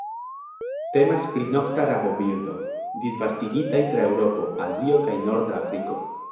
Temas pri nokta rabobirdo, disvastigitaj tra Eŭropo, Azio kaj norda Afriko.